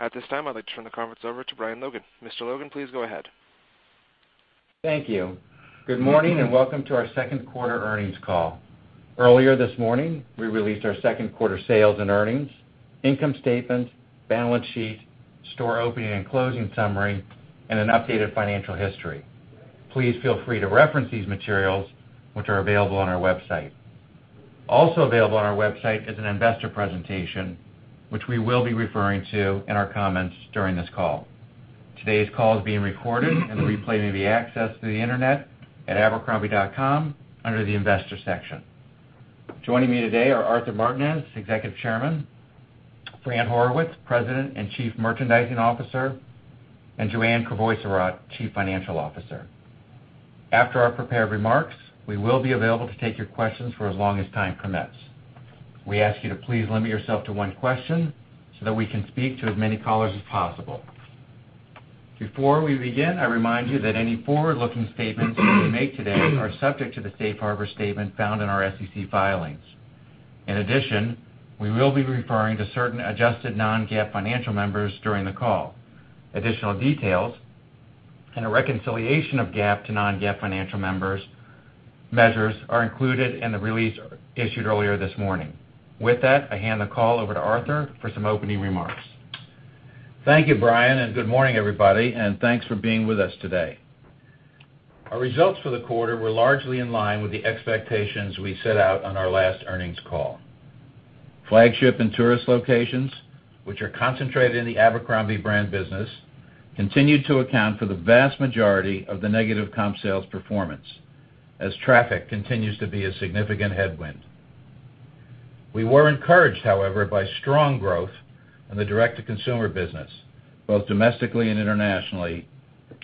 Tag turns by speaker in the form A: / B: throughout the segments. A: At this time, I'd like to turn the conference over to Brian Logan. Mr. Logan, please go ahead.
B: Thank you. Good morning and welcome to our second quarter earnings call. Earlier this morning, we released our second quarter sales and earnings, income statement, balance sheet, store opening and closing summary, and an updated financial history. Please feel free to reference these materials, which are available on our website. Also available on our website is an investor presentation, which we will be referring to in our comments during this call. Today's call is being recorded and replayed via access to the internet at abercrombie.com under the investor section. Joining me today are Arthur Martinez, Executive Chairman, Fran Horowitz, President and Chief Merchandising Officer, and Joanne Crevoiserat, Chief Financial Officer. After our prepared remarks, we will be available to take your questions for as long as time permits. We ask you to please limit yourself to one question so that we can speak to as many callers as possible. Before we begin, I remind you that any forward-looking statements we make today are subject to the safe harbor statement found in our SEC filings. In addition, we will be referring to certain adjusted non-GAAP financial measures during the call. Additional details and a reconciliation of GAAP to non-GAAP financial measures are included in the release issued earlier this morning. With that, I hand the call over to Arthur for some opening remarks.
C: Thank you, Brian. Good morning, everybody, and thanks for being with us today. Our results for the quarter were largely in line with the expectations we set out on our last earnings call. Flagship and tourist locations, which are concentrated in the Abercrombie brand business, continued to account for the vast majority of the negative comp sales performance as traffic continues to be a significant headwind. We were encouraged, however, by strong growth in the direct-to-consumer business, both domestically and internationally,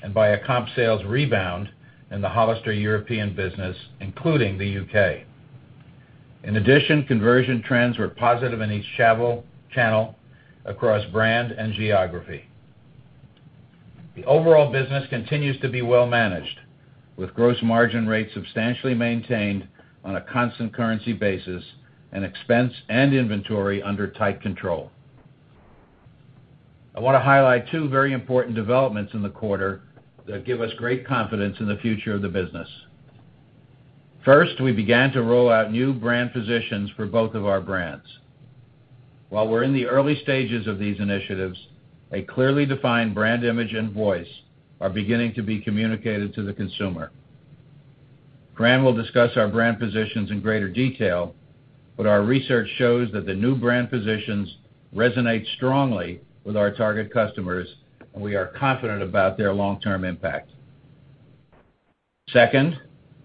C: and by a comp sales rebound in the Hollister European business, including the U.K. In addition, conversion trends were positive in each channel across brand and geography. The overall business continues to be well managed, with gross margin rates substantially maintained on a constant currency basis, and expense and inventory under tight control. I want to highlight two very important developments in the quarter that give us great confidence in the future of the business. We began to roll out new brand positions for both of our brands. While we're in the early stages of these initiatives, a clearly defined brand image and voice are beginning to be communicated to the consumer. Fran will discuss our brand positions in greater detail, but our research shows that the new brand positions resonate strongly with our target customers, and we are confident about their long-term impact.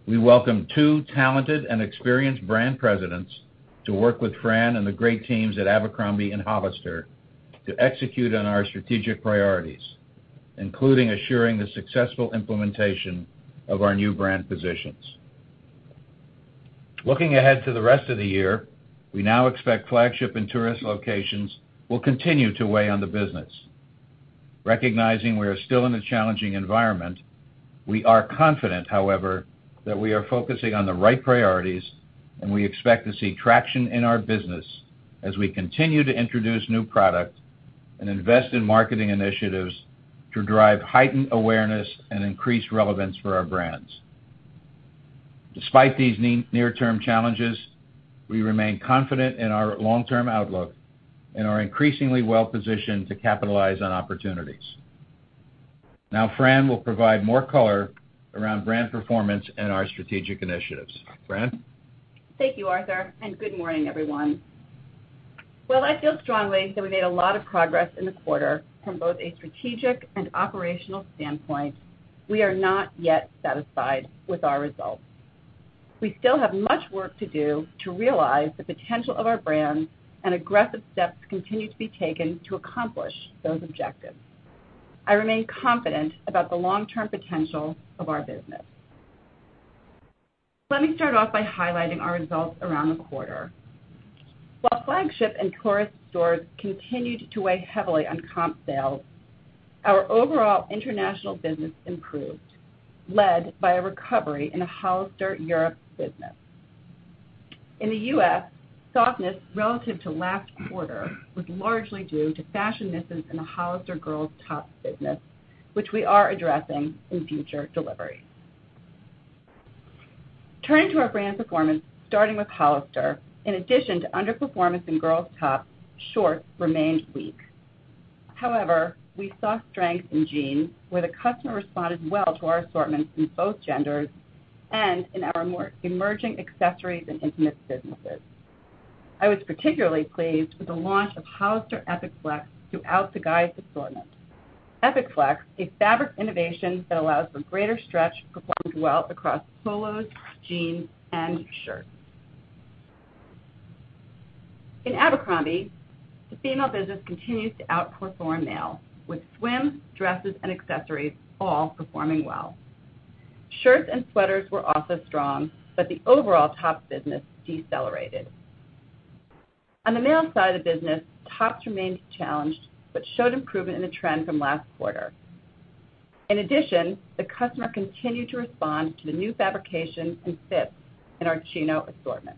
C: We welcome two talented and experienced brand presidents to work with Fran and the great teams at Abercrombie and Hollister to execute on our strategic priorities, including assuring the successful implementation of our new brand positions. Looking ahead to the rest of the year, we now expect flagship and tourist locations will continue to weigh on the business. Recognizing we are still in a challenging environment, we are confident, however, that we are focusing on the right priorities, and we expect to see traction in our business as we continue to introduce new product and invest in marketing initiatives to drive heightened awareness and increased relevance for our brands. Despite these near-term challenges, we remain confident in our long-term outlook and are increasingly well-positioned to capitalize on opportunities. Fran will provide more color around brand performance and our strategic initiatives. Fran?
D: Thank you, Arthur, and good morning, everyone. While I feel strongly that we made a lot of progress in the quarter from both a strategic and operational standpoint, we are not yet satisfied with our results. We still have much work to do to realize the potential of our brands, and aggressive steps continue to be taken to accomplish those objectives. I remain confident about the long-term potential of our business. Let me start off by highlighting our results around the quarter. While flagship and tourist stores continued to weigh heavily on comp sales, our overall international business improved, led by a recovery in the Hollister Europe business. In the U.S., softness relative to last quarter was largely due to fashion misses in the Hollister girls tops business, which we are addressing in future delivery. Turning to our brand performance, starting with Hollister, in addition to underperformance in girls tops, shorts remained weak. We saw strength in jeans, where the customer responded well to our assortments in both genders and in our more emerging accessories and intimates businesses. I was particularly pleased with the launch of Hollister Epic Flex throughout the guys assortment. Epic Flex, a fabric innovation that allows for greater stretch, performed well across polos, jeans, and shirts. In Abercrombie, the female business continues to outperform male, with swim, dresses, and accessories all performing well. Shirts and sweaters were also strong, the overall tops business decelerated. On the male side of the business, tops remained challenged but showed improvement in the trend from last quarter. The customer continued to respond to the new fabrication and fits in our chino assortment.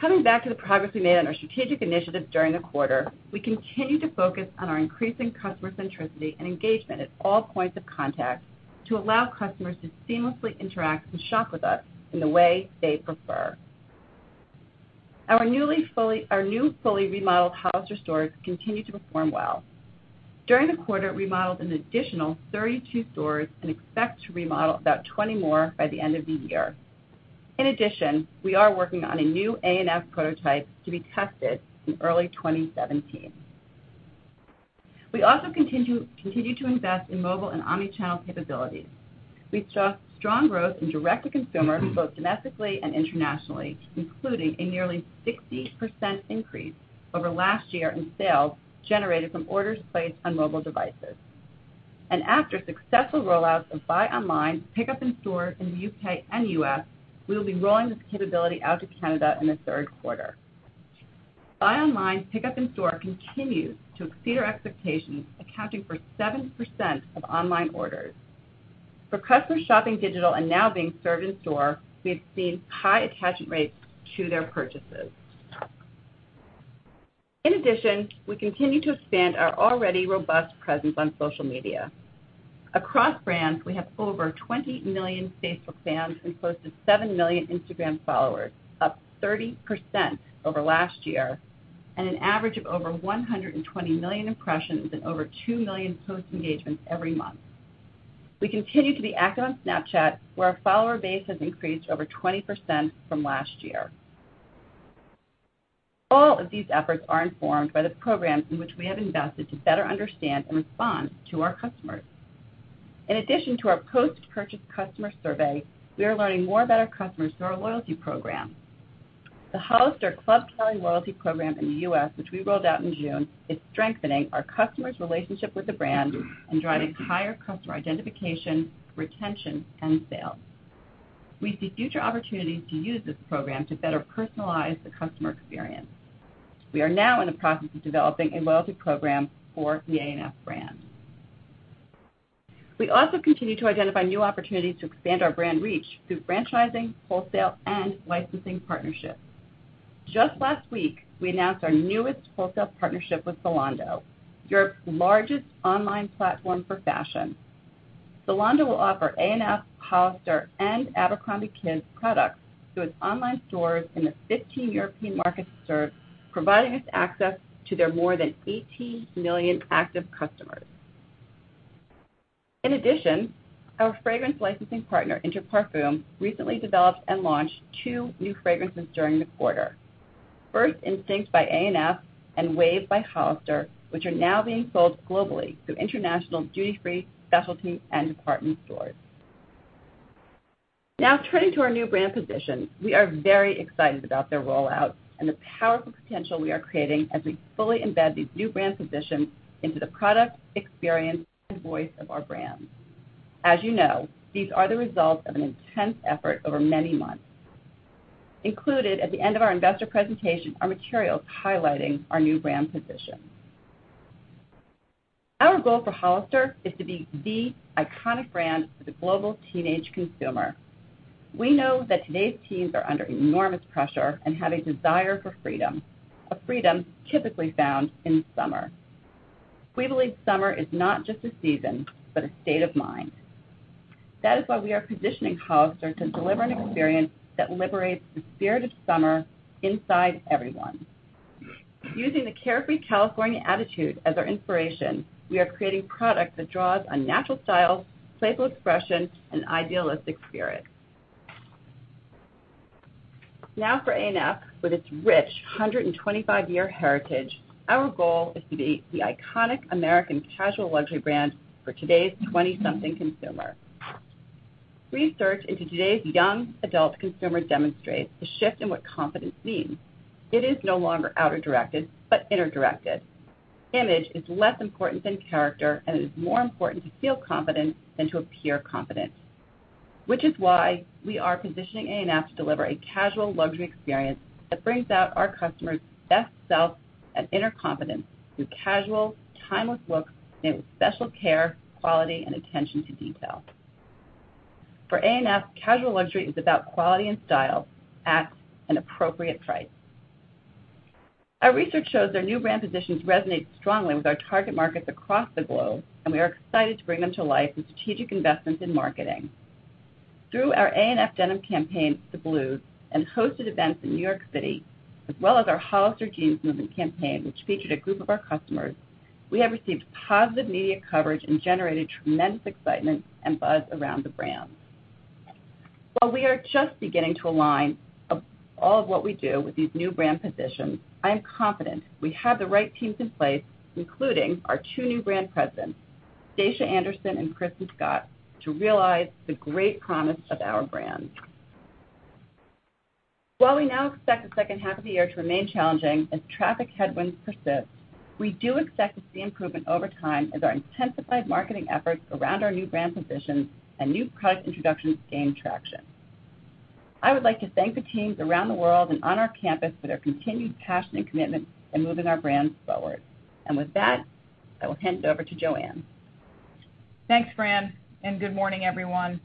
D: Coming back to the progress we made on our strategic initiatives during the quarter, we continue to focus on our increasing customer centricity and engagement at all points of contact to allow customers to seamlessly interact and shop with us in the way they prefer. Our new fully remodeled Hollister stores continue to perform well. During the quarter, we remodeled an additional 32 stores and expect to remodel about 20 more by the end of the year. In addition, we are working on a new A&F prototype to be tested in early 2017. We also continue to invest in mobile and omni-channel capabilities. We saw strong growth in direct-to-consumer, both domestically and internationally, including a nearly 60% increase over last year in sales generated from orders placed on mobile devices. After successful rollouts of buy online, pickup in store in the U.K. and U.S., we will be rolling this capability out to Canada in the third quarter. Buy online, pickup in store continues to exceed our expectations, accounting for 7% of online orders. For customers shopping digital and now being served in store, we have seen high attachment rates to their purchases. In addition, we continue to expand our already robust presence on social media. Across brands, we have over 20 million Facebook fans and close to 7 million Instagram followers, up 30% over last year, and an average of over 120 million impressions and over 2 million post engagements every month. We continue to be active on Snapchat, where our follower base has increased over 20% from last year. All of these efforts are informed by the programs in which we have invested to better understand and respond to our customers. In addition to our post-purchase customer survey, we are learning more about our customers through our loyalty program. The Hollister Club Cali loyalty program in the U.S., which we rolled out in June, is strengthening our customers' relationship with the brand and driving higher customer identification, retention, and sales. We see future opportunities to use this program to better personalize the customer experience. We are now in the process of developing a loyalty program for the A&F brand. We also continue to identify new opportunities to expand our brand reach through franchising, wholesale, and licensing partnerships. Just last week, we announced our newest wholesale partnership with Zalando, Europe's largest online platform for fashion. Zalando will offer A&F, Hollister, and Abercrombie Kids products through its online stores in the 15 European markets it serves, providing us access to their more than 18 million active customers. In addition, our fragrance licensing partner, Inter Parfums, recently developed and launched two new fragrances during the quarter. First Instinct by A&F and Wave by Hollister, which are now being sold globally through international duty free, specialty, and department stores. Now turning to our new brand positions. We are very excited about their rollout and the powerful potential we are creating as we fully embed these new brand positions into the product, experience, and voice of our brands. As you know, these are the results of an intense effort over many months. Included at the end of our investor presentation are materials highlighting our new brand positions. Our goal for Hollister is to be the iconic brand for the global teenage consumer. We know that today's teens are under enormous pressure and have a desire for freedom, a freedom typically found in summer. We believe summer is not just a season, but a state of mind. We are positioning Hollister to deliver an experience that liberates the spirit of summer inside everyone. Using the carefree California attitude as our inspiration, we are creating product that draws on natural style, playful expression, and idealistic spirit. For A&F. With its rich 125-year heritage, our goal is to be the iconic American casual luxury brand for today's 20-something consumer. Research into today's young adult consumer demonstrates the shift in what confidence means. It is no longer outer-directed but inner-directed. Image is less important than character. It is more important to feel confident than to appear confident. We are positioning A&F to deliver a casual luxury experience that brings out our customers' best self and inner confidence through casual, timeless looks made with special care, quality, and attention to detail. For A&F, casual luxury is about quality and style at an appropriate price. Our research shows our new brand positions resonate strongly with our target markets across the globe. We are excited to bring them to life with strategic investments in marketing. Through our A&F denim campaign, The Blues, and hosted events in New York City, as well as our Hollister Jeans Movement campaign, which featured a group of our customers, we have received positive media coverage and generated tremendous excitement and buzz around the brands. While we are just beginning to align all of what we do with these new brand positions, I am confident we have the right teams in place, including our two new brand presidents, Stacia Andersen and Kristin Scott, to realize the great promise of our brands. While we now expect the second half of the year to remain challenging as traffic headwinds persist, we do expect to see improvement over time as our intensified marketing efforts around our new brand positions and new product introductions gain traction. I would like to thank the teams around the world and on our campus for their continued passion and commitment in moving our brands forward. With that, I will hand it over to Joanne.
E: Thanks, Fran. Good morning, everyone.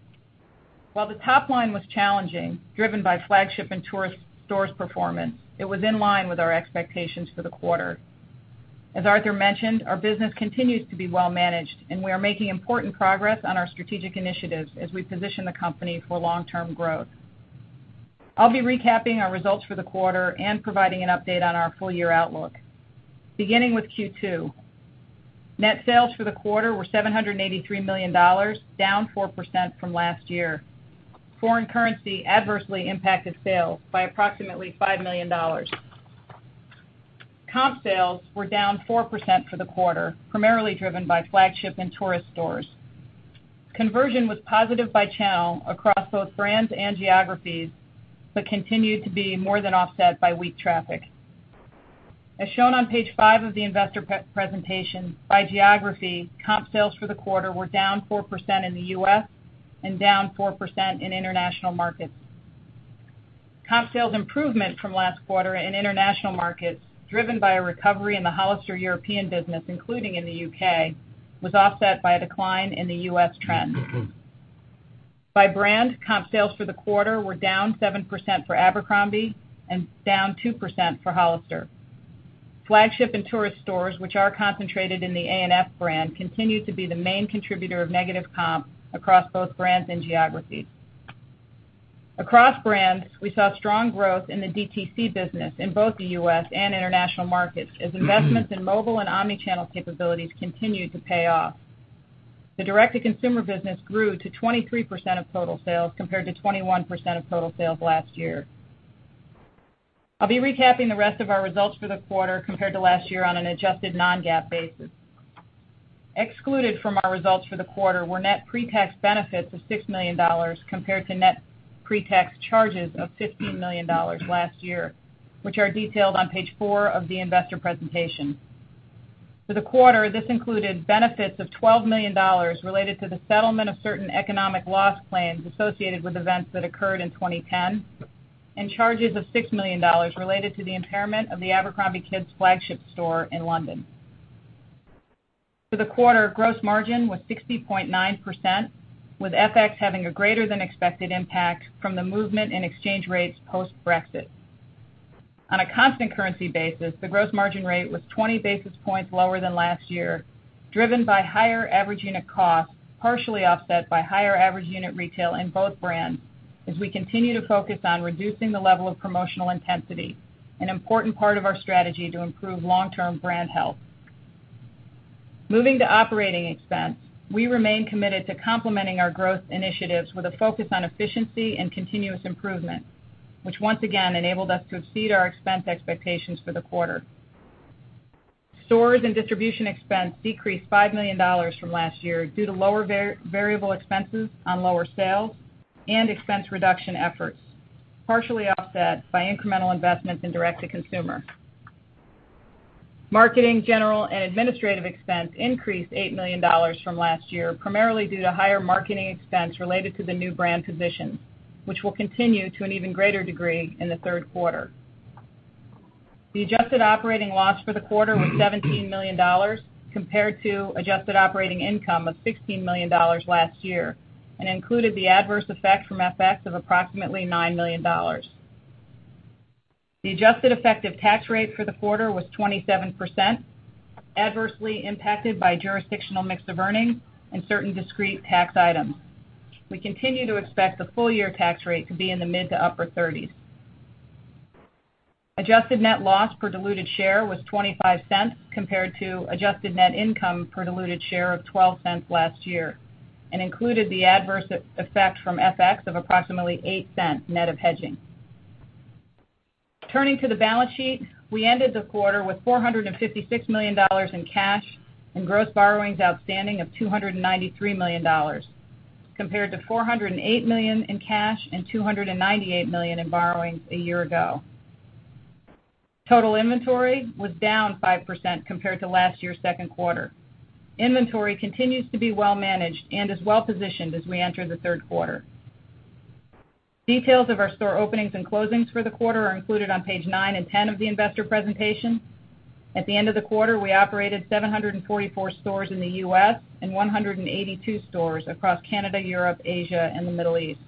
E: While the top line was challenging, driven by flagship and tourist stores' performance, it was in line with our expectations for the quarter. As Arthur mentioned, our business continues to be well-managed. We are making important progress on our strategic initiatives as we position the company for long-term growth. I'll be recapping our results for the quarter and providing an update on our full-year outlook. Beginning with Q2. Net sales for the quarter were $783 million, down 4% from last year. Foreign currency adversely impacted sales by approximately $5 million. Comp sales were down 4% for the quarter, primarily driven by flagship and tourist stores. Conversion was positive by channel across both brands and geographies. It continued to be more than offset by weak traffic. As shown on page five of the investor presentation, by geography, comp sales for the quarter were down 4% in the U.S. and down 4% in international markets. Comp sales improvement from last quarter in international markets, driven by a recovery in the Hollister European business, including in the U.K., was offset by a decline in the U.S. trend. By brand, comp sales for the quarter were down 7% for Abercrombie and down 2% for Hollister. Flagship and tourist stores, which are concentrated in the A&F brand, continue to be the main contributor of negative comp across both brands and geographies. Across brands, we saw strong growth in the DTC business in both the U.S. and international markets as investments in mobile and omni-channel capabilities continued to pay off. The direct-to-consumer business grew to 23% of total sales, compared to 21% of total sales last year. I'll be recapping the rest of our results for the quarter compared to last year on an adjusted non-GAAP basis. Excluded from our results for the quarter were net pre-tax benefits of $6 million, compared to net pre-tax charges of $15 million last year, which are detailed on page four of the investor presentation. For the quarter, this included benefits of $12 million related to the settlement of certain economic loss claims associated with events that occurred in 2010 and charges of $6 million related to the impairment of the abercrombie kids flagship store in London. For the quarter, gross margin was 60.9%, with FX having a greater than expected impact from the movement in exchange rates post-Brexit. On a constant currency basis, the gross margin rate was 20 basis points lower than last year, driven by higher average unit costs, partially offset by higher average unit retail in both brands as we continue to focus on reducing the level of promotional intensity, an important part of our strategy to improve long-term brand health. Moving to OpEx, we remain committed to complementing our growth initiatives with a focus on efficiency and continuous improvement, which once again enabled us to exceed our expense expectations for the quarter. Stores and distribution expense decreased $5 million from last year due to lower variable expenses on lower sales and expense reduction efforts, partially offset by incremental investments in DTC. Marketing, general, and administrative expense increased $8 million from last year, primarily due to higher marketing expense related to the new brand positions, which will continue to an even greater degree in the third quarter. The adjusted operating loss for the quarter was $17 million, compared to adjusted operating income of $16 million last year, and included the adverse effect from FX of approximately $9 million. The adjusted effective tax rate for the quarter was 27%, adversely impacted by jurisdictional mix of earnings and certain discrete tax items. We continue to expect the full-year tax rate to be in the mid to upper 30s. Adjusted net loss per diluted share was $0.25, compared to adjusted net income per diluted share of $0.12 last year, and included the adverse effect from FX of approximately $0.08, net of hedging. Turning to the balance sheet, we ended the quarter with $456 million in cash, and gross borrowings outstanding of $293 million, compared to $408 million in cash and $298 million in borrowings a year ago. Total inventory was down 5% compared to last year's second quarter. Inventory continues to be well managed and is well positioned as we enter the third quarter. Details of our store openings and closings for the quarter are included on page nine and 10 of the investor presentation. At the end of the quarter, we operated 744 stores in the U.S. and 182 stores across Canada, Europe, Asia, and the Middle East.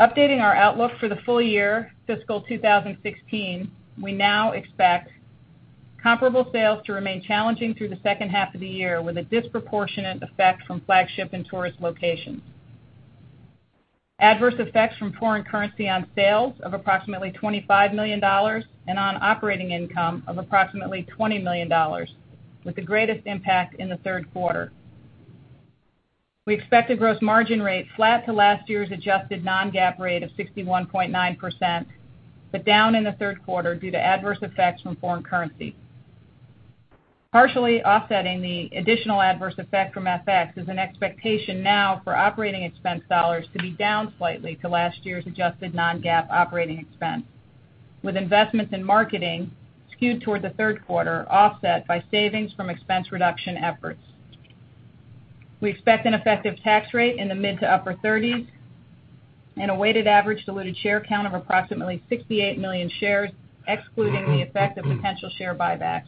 E: Updating our outlook for the full year fiscal 2016, we now expect comparable sales to remain challenging through the second half of the year, with a disproportionate effect from flagship and tourist locations. Adverse effects from foreign currency on sales of approximately $25 million and on operating income of approximately $20 million, with the greatest impact in the third quarter. We expect the gross margin rate flat to last year's adjusted non-GAAP rate of 61.9%, but down in the third quarter due to adverse effects from foreign currency. Partially offsetting the additional adverse effect from FX is an expectation now for OpEx dollars to be down slightly to last year's adjusted non-GAAP OpEx, with investments in marketing skewed toward the third quarter offset by savings from expense reduction efforts. We expect an effective tax rate in the mid to upper 30s. A weighted average diluted share count of approximately 68 million shares, excluding the effect of potential share buybacks.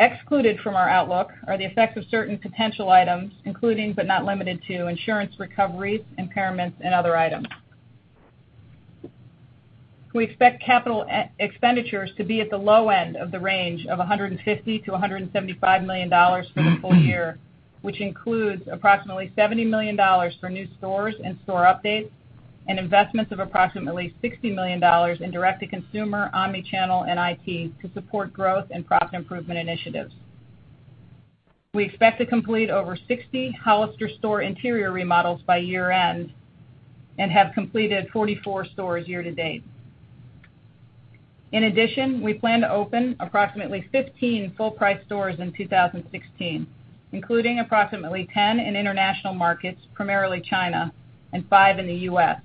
E: Excluded from our outlook are the effects of certain potential items, including but not limited to insurance recoveries, impairments, and other items. We expect CapEx to be at the low end of the range of $150 million-$175 million for the full year, which includes approximately $70 million for new stores and store updates, and investments of approximately $60 million in DTC, omni-channel, and IT to support growth and profit improvement initiatives. We expect to complete over 60 Hollister store interior remodels by year-end and have completed 44 stores year-to-date. In addition, we plan to open approximately 15 full-price stores in 2016, including approximately 10 in international markets, primarily China, and five in the U.S.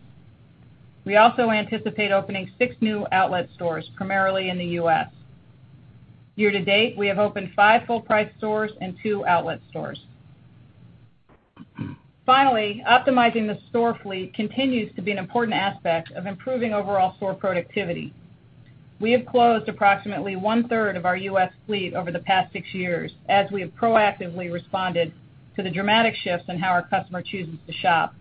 E: We also anticipate opening six new outlet stores, primarily in the U.S. Year-to-date, we have opened five full-price stores and two outlet stores. Finally, optimizing the store fleet continues to be an important aspect of improving overall store productivity. We have closed approximately one-third of our U.S. fleet over the past six years, as we have proactively responded to the dramatic shifts in how our customer chooses to shop.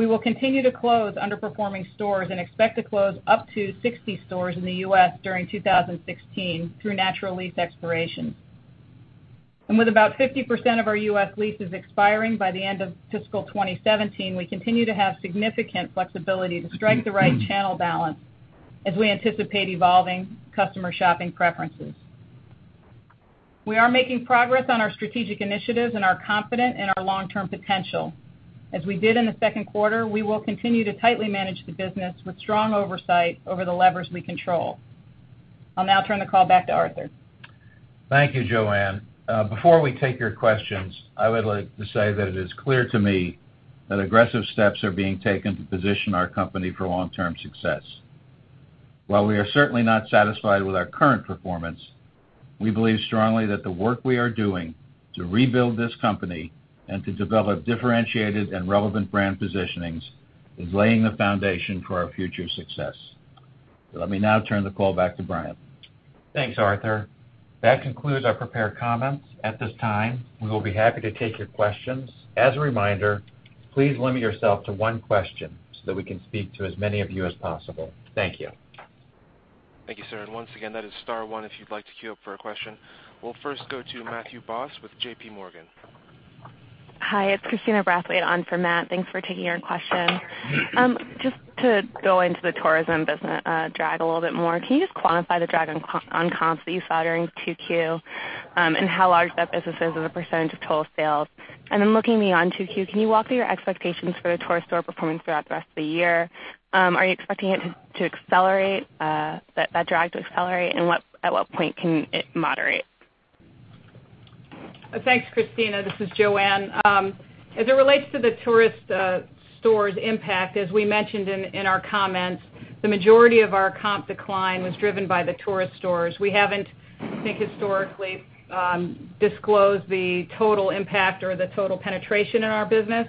E: We will continue to close underperforming stores and expect to close up to 60 stores in the U.S. during 2016 through natural lease expiration. With about 50% of our U.S. leases expiring by the end of fiscal 2017, we continue to have significant flexibility to strike the right channel balance as we anticipate evolving customer shopping preferences. We are making progress on our strategic initiatives and are confident in our long-term potential. As we did in the second quarter, we will continue to tightly manage the business with strong oversight over the levers we control. I'll now turn the call back to Arthur.
C: Thank you, Joanne. Before we take your questions, I would like to say that it is clear to me that aggressive steps are being taken to position our company for long-term success. While we are certainly not satisfied with our current performance, we believe strongly that the work we are doing to rebuild this company and to develop differentiated and relevant brand positionings is laying the foundation for our future success. Let me now turn the call back to Brian.
B: Thanks, Arthur. That concludes our prepared comments. At this time, we will be happy to take your questions. As a reminder, please limit yourself to one question so that we can speak to as many of you as possible. Thank you.
A: Thank you, sir. Once again, that is star one if you'd like to queue up for a question. We'll first go to Matthew Boss with JPMorgan.
F: Hi, it's Christina Brathwaite on for Matt. Thanks for taking our question. Just to go into the tourism business drag a little bit more, can you just quantify the drag on comps that you saw during 2Q, and how large that business is as a percentage of total sales? Looking beyond 2Q, can you walk through your expectations for the tourist store performance throughout the rest of the year? Are you expecting that drag to accelerate, and at what point can it moderate?
E: Thanks, Christina. This is Joanne. As it relates to the tourist stores impact, as we mentioned in our comments, the majority of our comp decline was driven by the tourist stores. We haven't, I think, historically disclosed the total impact or the total penetration in our business.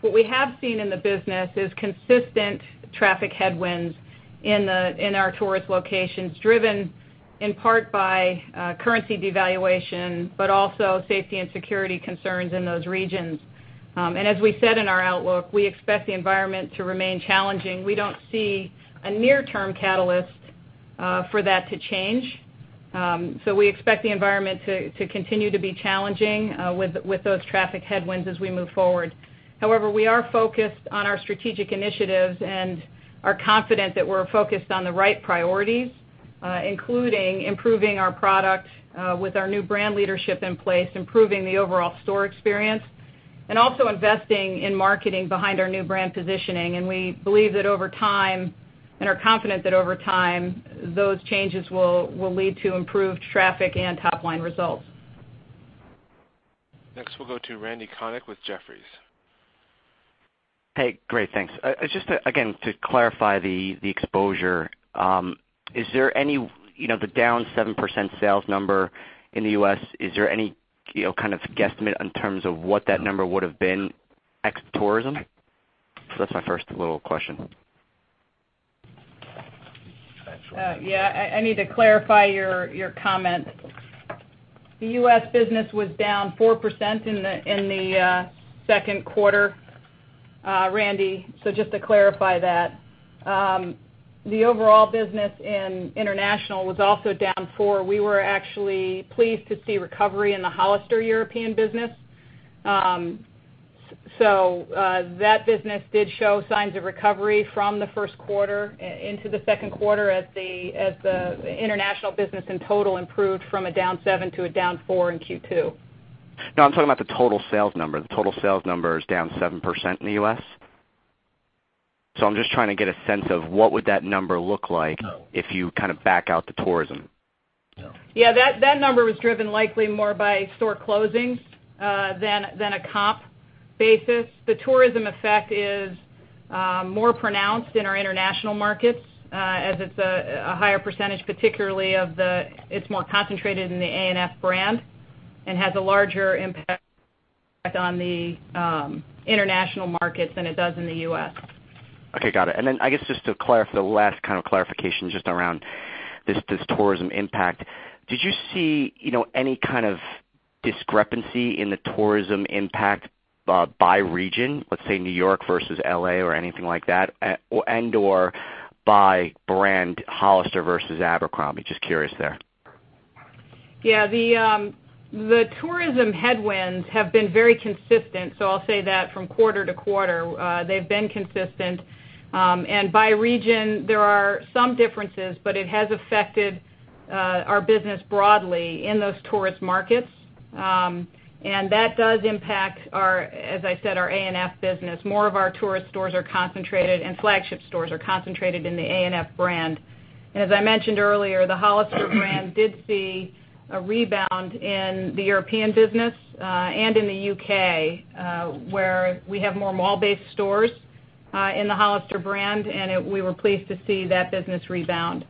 E: What we have seen in the business is consistent traffic headwinds in our tourist locations, driven in part by currency devaluation, but also safety and security concerns in those regions. As we said in our outlook, we expect the environment to remain challenging. We don't see a near-term catalyst for that to change. We expect the environment to continue to be challenging with those traffic headwinds as we move forward. However, we are focused on our strategic initiatives and are confident that we're focused on the right priorities, including improving our product with our new brand leadership in place, improving the overall store experience, and also investing in marketing behind our new brand positioning. We believe and are confident that over time, those changes will lead to improved traffic and top-line results.
A: Next, we'll go to Randy Konik with Jefferies. Hey, great. Thanks. Just again, to clarify the exposure, the down 7% sales number in the U.S., is there any kind of guesstimate in terms of what that number would've been ex tourism? That's my first little question.
E: Yeah. I need to clarify your comment. The U.S. business was down 4% in the second quarter, Randy. Just to clarify that. The overall business in international was also down 4%. We were actually pleased to see recovery in the Hollister European business. That business did show signs of recovery from the first quarter into the second quarter as the international business in total improved from a down 7% to a down 4% in Q2.
G: No, I'm talking about the total sales number. The total sales number is down 7% in the U.S. I'm just trying to get a sense of what would that number look like if you back out the tourism.
E: Yeah, that number was driven likely more by store closings than a comp basis. The tourism effect is more pronounced in our international markets, as it's a higher percentage, particularly it's more concentrated in the A&F brand. Has a larger impact on the international markets than it does in the U.S.
G: Okay. Got it. Then I guess just the last kind of clarification just around this tourism impact. Did you see any kind of discrepancy in the tourism impact by region, let's say New York versus L.A. or anything like that, and/or by brand, Hollister versus Abercrombie? Just curious there.
E: Yeah. The tourism headwinds have been very consistent, so I'll say that from quarter to quarter, they've been consistent. By region, there are some differences, but it has affected our business broadly in those tourist markets. That does impact, as I said, our A&F business. More of our tourist stores are concentrated, and flagship stores are concentrated in the A&F brand. As I mentioned earlier, the Hollister brand did see a rebound in the European business, and in the U.K., where we have more mall-based stores in the Hollister brand, and we were pleased to see that business rebound.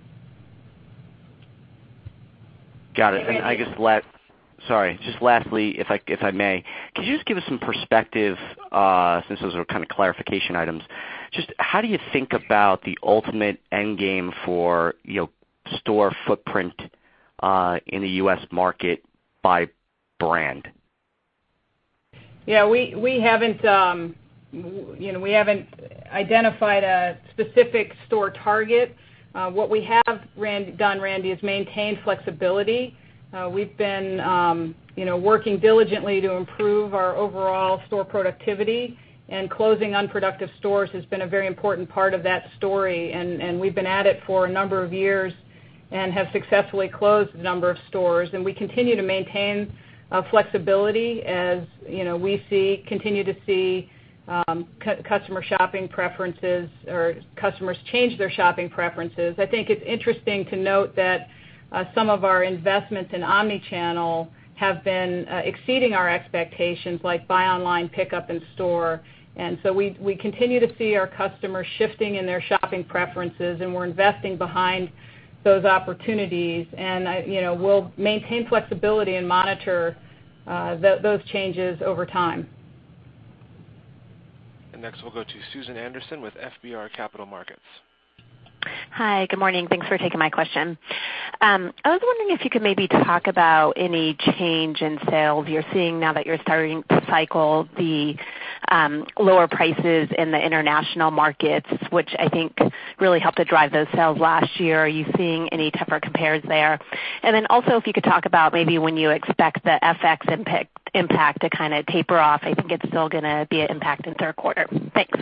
G: Got it. Sorry, just lastly, if I may. Could you just give us some perspective, since those are kind of clarification items, just how do you think about the ultimate end game for store footprint in the U.S. market by brand?
E: We haven't identified a specific store target. What we have done, Randy, is maintain flexibility. We've been working diligently to improve our overall store productivity, and closing unproductive stores has been a very important part of that story, and we've been at it for a number of years and have successfully closed a number of stores. We continue to maintain flexibility as we continue to see customer shopping preferences or customers change their shopping preferences. I think it's interesting to note that some of our investments in omnichannel have been exceeding our expectations, like buy online, pickup in store. We continue to see our customers shifting in their shopping preferences, and we're investing behind those opportunities. We'll maintain flexibility and monitor those changes over time.
A: Next, we'll go to Susan Anderson with FBR Capital Markets.
H: Hi. Good morning. Thanks for taking my question. I was wondering if you could maybe talk about any change in sales you're seeing now that you're starting to cycle the lower prices in the international markets, which I think really helped to drive those sales last year. Are you seeing any tougher compares there? If you could talk about maybe when you expect the FX impact to kind of taper off. I think it's still going to be an impact in the third quarter. Thanks.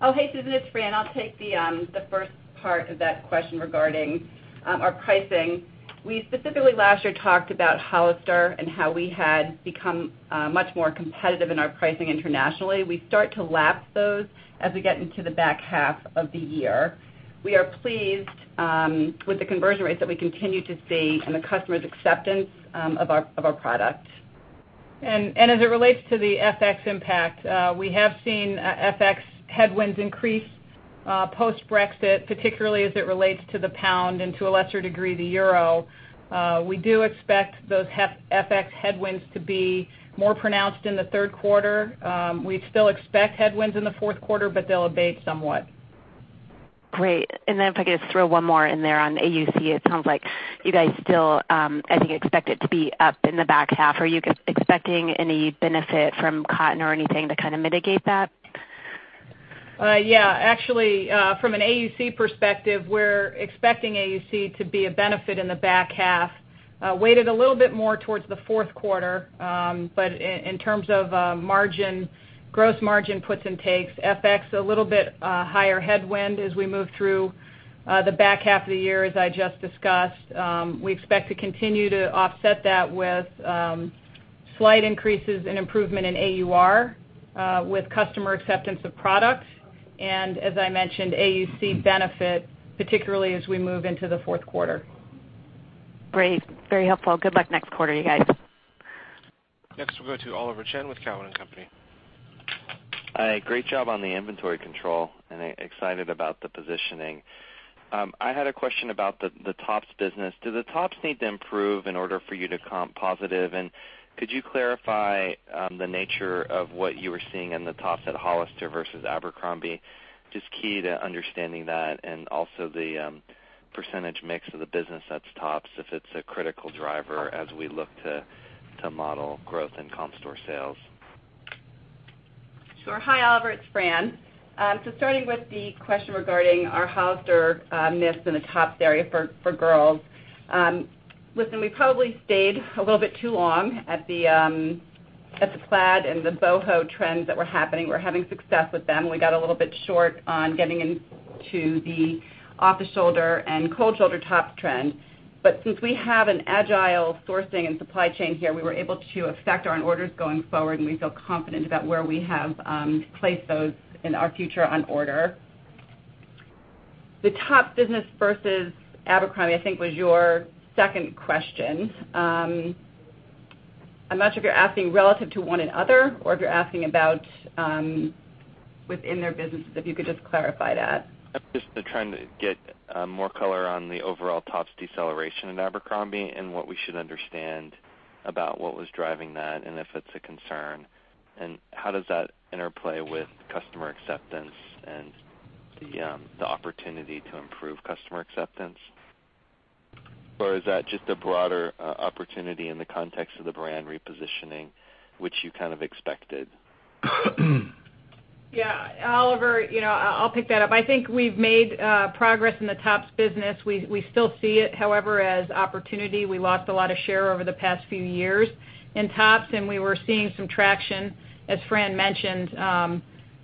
D: Oh, hey, Susan. It's Fran. I'll take the first part of that question regarding our pricing. We specifically last year talked about Hollister and how we had become much more competitive in our pricing internationally. We start to lap those as we get into the back half of the year. We are pleased with the conversion rates that we continue to see and the customer's acceptance of our product.
E: As it relates to the FX impact, we have seen FX headwinds increase post-Brexit, particularly as it relates to the pound and to a lesser degree, the euro. We do expect those FX headwinds to be more pronounced in the third quarter. We still expect headwinds in the fourth quarter, but they'll abate somewhat.
H: Great. If I could just throw one more in there on AUC, it sounds like you guys still, I think, expect it to be up in the back half. Are you expecting any benefit from cotton or anything to kind of mitigate that?
E: Yeah. Actually, from an AUC perspective, we're expecting AUC to be a benefit in the back half, weighted a little bit more towards the fourth quarter. In terms of margin, gross margin puts and takes, FX a little bit higher headwind as we move through the back half of the year, as I just discussed. We expect to continue to offset that with slight increases in improvement in AUR, with customer acceptance of product. As I mentioned, AUC benefit, particularly as we move into the fourth quarter.
H: Great. Very helpful. Good luck next quarter, you guys.
A: We'll go to Oliver Chen with Cowen and Company.
I: Hi. Great job on the inventory control, excited about the positioning. I had a question about the tops business. Do the tops need to improve in order for you to comp positive? Could you clarify the nature of what you were seeing in the tops at Hollister versus Abercrombie? Just key to understanding that, also the % mix of the business that's tops, if it's a critical driver as we look to model growth in comp store sales.
D: Sure. Hi, Oliver. It's Fran. Starting with the question regarding our Hollister miss in the tops area for girls. Listen, we probably stayed a little bit too long at the plaid and the boho trends that were happening. We were having success with them. We got a little bit short on getting into the off-the-shoulder and cold shoulder top trend. Since we have an agile sourcing and supply chain here, we were able to affect our orders going forward, we feel confident about where we have placed those in our future on order. The top business versus Abercrombie, I think, was your second question.
E: I'm not sure if you're asking relative to one another or if you're asking about within their businesses, if you could just clarify that.
I: I'm just trying to get more color on the overall tops deceleration in Abercrombie, what we should understand about what was driving that, and if it's a concern. How does that interplay with customer acceptance and the opportunity to improve customer acceptance? Is that just a broader opportunity in the context of the brand repositioning, which you kind of expected?
E: Yeah. Oliver, I'll pick that up. I think we've made progress in the tops business. We still see it, however, as opportunity. We lost a lot of share over the past few years in tops, we were seeing some traction, as Fran mentioned.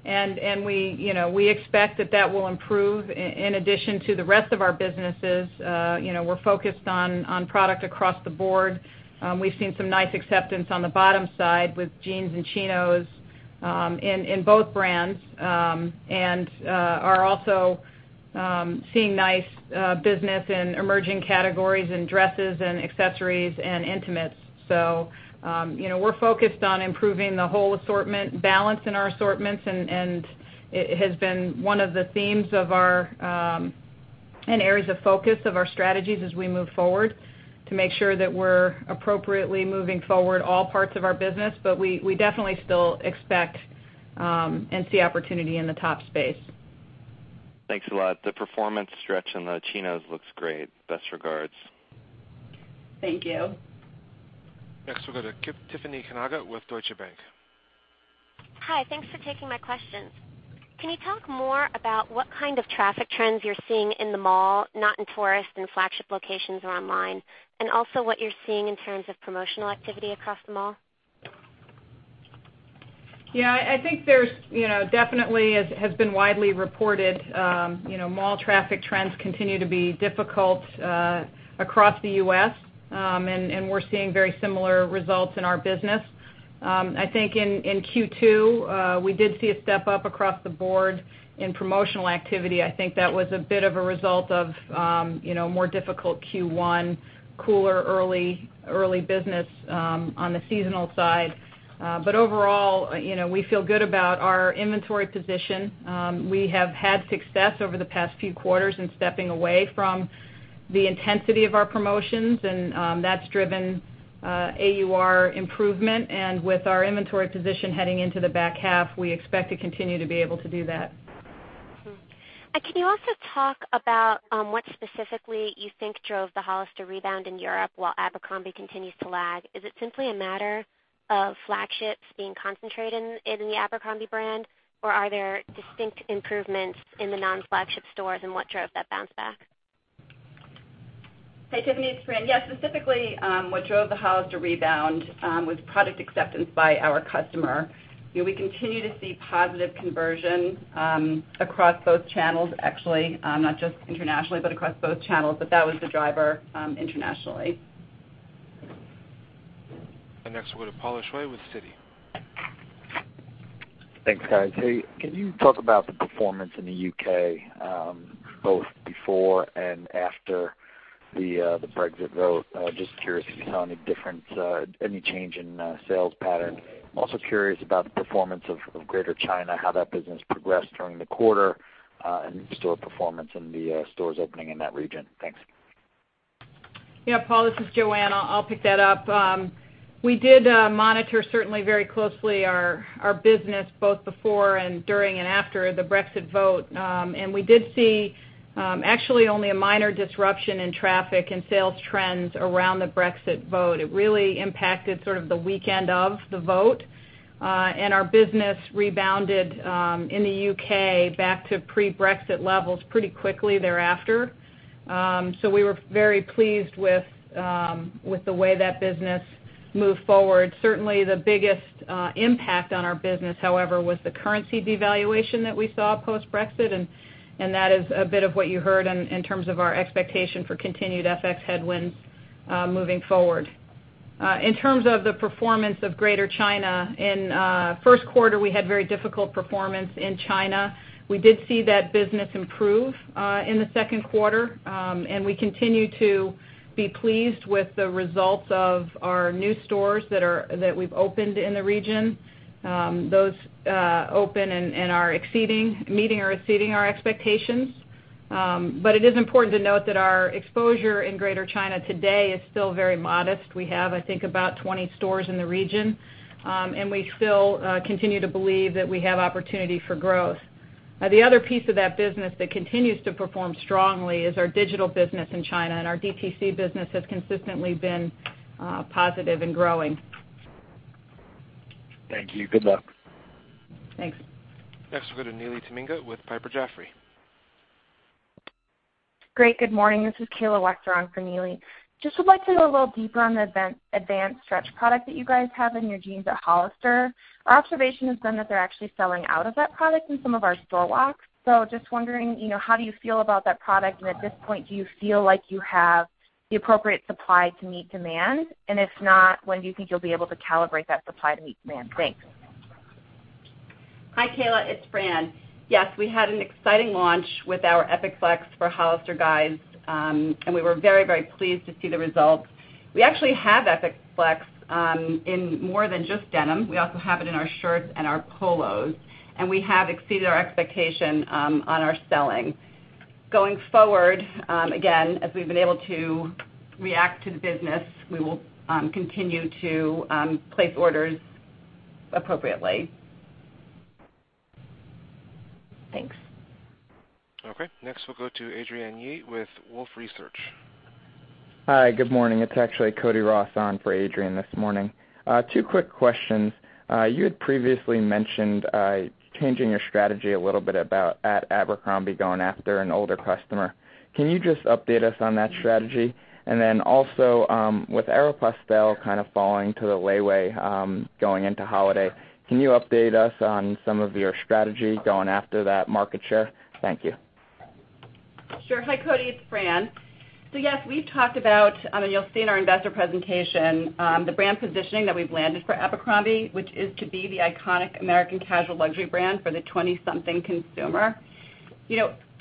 E: We expect that that will improve in addition to the rest of our businesses. We're focused on product across the board. We've seen some nice acceptance on the bottom side with jeans and chinos in both brands, are also seeing nice business in emerging categories in dresses and accessories and intimates. We're focused on improving the whole assortment balance in our assortments, it has been one of the themes and areas of focus of our strategies as we move forward to make sure that we're appropriately moving forward all parts of our business. We definitely still expect and see opportunity in the top space.
I: Thanks a lot. The performance stretch in the chinos looks great. Best regards.
E: Thank you.
A: Next, we'll go to Tiffany Kanaga with Deutsche Bank.
J: Hi. Thanks for taking my questions. Can you talk more about what kind of traffic trends you're seeing in the mall, not in tourist and flagship locations or online, and also what you're seeing in terms of promotional activity across the mall?
E: Yeah, I think there's definitely, as has been widely reported, mall traffic trends continue to be difficult across the U.S. We're seeing very similar results in our business. I think in Q2, we did see a step up across the board in promotional activity. I think that was a bit of a result of more difficult Q1, cooler early business on the seasonal side. Overall, we feel good about our inventory position. We have had success over the past few quarters in stepping away from the intensity of our promotions, and that's driven AUR improvement. With our inventory position heading into the back half, we expect to continue to be able to do that.
J: Can you also talk about what specifically you think drove the Hollister rebound in Europe while Abercrombie continues to lag? Is it simply a matter of flagships being concentrated in the Abercrombie brand, or are there distinct improvements in the non-flagship stores, and what drove that bounce back?
E: Hey, Tiffany, it's Fran. Yeah, specifically, what drove the Hollister rebound was product acceptance by our customer. We continue to see positive conversion across both channels, actually, not just internationally, but across both channels. That was the driver internationally.
A: Next we'll go to Paul Lejuez with Citi.
K: Thanks, guys. Hey, can you talk about the performance in the U.K., both before and after the Brexit vote? Just curious if you saw any difference, any change in sales pattern. I'm also curious about the performance of Greater China, how that business progressed during the quarter, and new store performance in the stores opening in that region. Thanks.
E: Yeah, Paul, this is Joanne. I'll pick that up. We did monitor certainly very closely our business both before and during and after the Brexit vote. We did see actually only a minor disruption in traffic and sales trends around the Brexit vote. It really impacted sort of the weekend of the vote. Our business rebounded in the U.K. back to pre-Brexit levels pretty quickly thereafter. We were very pleased with the way that business moved forward. Certainly, the biggest impact on our business, however, was the currency devaluation that we saw post-Brexit, and that is a bit of what you heard in terms of our expectation for continued FX headwinds moving forward. In terms of the performance of Greater China, in first quarter, we had very difficult performance in China. We did see that business improve in the second quarter. We continue to be pleased with the results of our new stores that we've opened in the region. Those open and are meeting or exceeding our expectations. It is important to note that our exposure in Greater China today is still very modest. We have, I think, about 20 stores in the region. We still continue to believe that we have opportunity for growth. The other piece of that business that continues to perform strongly is our digital business in China, and our DTC business has consistently been positive and growing.
K: Thank you. Good luck.
E: Thanks.
A: Next, we'll go to Neely Tamminga with Piper Jaffray.
L: Great. Good morning. This is Kayla Wachter on for Neely. Just would like to go a little deeper on the Advanced Stretch product that you guys have in your jeans at Hollister. Our observation has been that they're actually selling out of that product in some of our store walks. Just wondering, how do you feel about that product, and at this point, do you feel like you have the appropriate supply to meet demand? If not, when do you think you'll be able to calibrate that supply to meet demand? Thanks.
D: Hi, Kayla. It's Fran. Yes, we had an exciting launch with our Epic Flex for Hollister Guys, and we were very pleased to see the results. We actually have Epic Flex in more than just denim. We also have it in our shirts and our polos, and we have exceeded our expectation on our selling. Going forward, again, as we've been able to react to the business, we will continue to place orders appropriately. Thanks.
A: Okay. Next, we'll go to Adrienne Yih with Wolfe Research.
M: Hi. Good morning. It's actually Cody Ross on for Adrienne this morning. Two quick questions. You had previously mentioned changing your strategy a little bit about at Abercrombie, going after an older customer. Can you just update us on that strategy? Also, with Aéropostale kind of falling to the wayside going into holiday, can you update us on some of your strategy going after that market share? Thank you.
D: Sure. Hi, Cody. It's Fran. Yes, we've talked about, and you'll see in our investor presentation, the brand positioning that we've landed for Abercrombie, which is to be the iconic American casual luxury brand for the 20-something consumer.